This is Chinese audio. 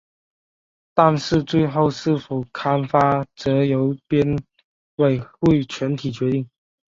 但是最后是否刊发则由编委会全体决定。